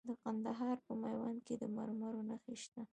د کندهار په میوند کې د مرمرو نښې شته.